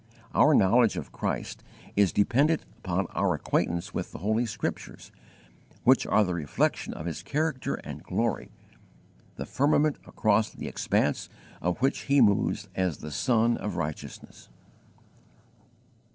Our knowledge of Christ is dependent upon our acquaintance with the Holy Scriptures, which are the reflection of His character and glory the firmament across the expanse of which He moves as the Sun of righteousness.